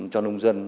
cho nông dân